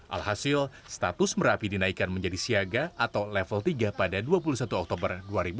alhasil status merapi dinaikkan menjadi siaga atau level tiga pada dua puluh satu oktober dua ribu dua puluh